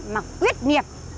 mà quyết nghiệp